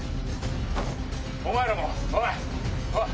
お前らも、おい。